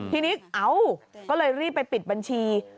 ทีนี้เอ้าก็เลยรีบไปปิดบัญชี